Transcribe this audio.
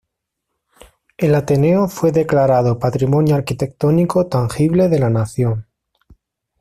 El Ateneo fue declarado patrimonio arquitectónico tangible de la nación.